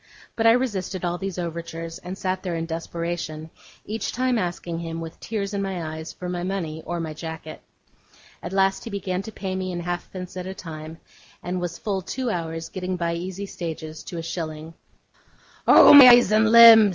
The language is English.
But I resisted all these overtures, and sat there in desperation; each time asking him, with tears in my eyes, for my money or my jacket. At last he began to pay me in halfpence at a time; and was full two hours getting by easy stages to a shilling. 'Oh, my eyes and limbs!